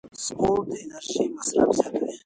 سپورت د انرژۍ مصرف زیاتوي.